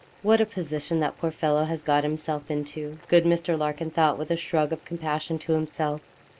'What a position that poor fellow has got himself into!' good Mr. Larkin thought, with a shrug of compassion, to himself.